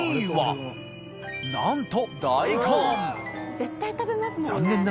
絶対食べますもんね。